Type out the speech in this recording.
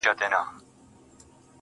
o جانه ته ځې يوه پردي وطن ته.